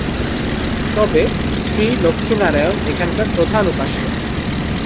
তবে শ্রী লক্ষ্মীনারায়ণ এখানকার প্রধান উপাস্য।